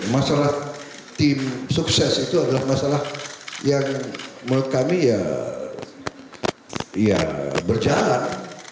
masalah tim sukses itu adalah masalah yang menurut kami ya berjalan